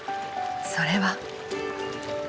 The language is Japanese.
それは。